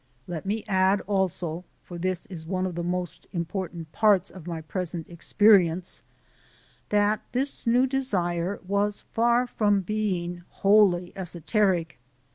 Let me add, also, for this is one of the most important parts of my present experience, that this new desire was far from being wholly esoteric.